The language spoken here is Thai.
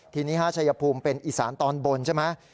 ทีนี้ฮะชัยภูมเป็นอิสานตอนบนใช่มั้ย